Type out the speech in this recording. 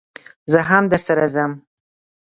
زه هم درسره ځم